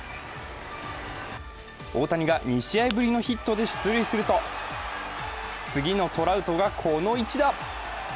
大谷が２試合ぶりのヒットで出塁すると次のトラウトがこの１打。